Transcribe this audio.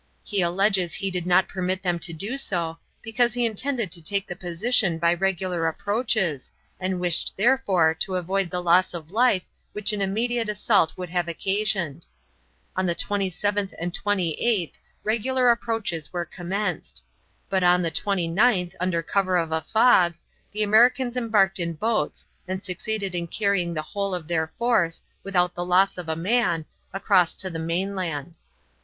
He alleges he did not permit them to do so, because he intended to take the position by regular approaches and wished therefore to avoid the loss of life which an immediate assault would have occasioned. On the 27th and 28th regular approaches were commenced, but on the 29th, under cover of a fog, the Americans embarked in boats and succeeded in carrying the whole of their force, without the loss of a man, across to the mainland.